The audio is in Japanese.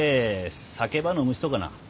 酒ば飲む人かな？